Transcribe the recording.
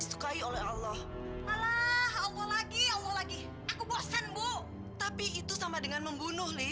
sampai jumpa di video selanjutnya